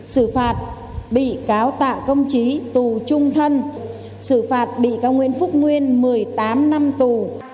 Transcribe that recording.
sự phạt bị cáo tạo công trí tù trung thân sự phạt bị cao nguyên phúc nguyên một mươi tám năm tù